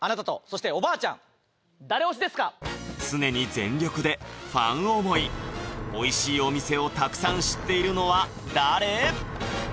ひろかさん常に全力でファン思いおいしいお店をたくさん知っているのは誰？